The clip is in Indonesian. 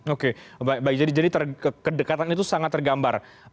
oke baik jadi kedekatan itu sangat tergambar